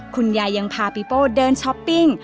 คุณยายยังพาปีโป้เดินช้อปปิ้ง